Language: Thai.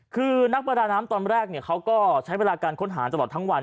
คือนักประดาน้ำตอนแรกเขาก็ใช้เวลาการค้นหาตลอดทั้งวัน